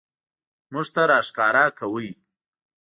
موږ ته راښکاره کاوه.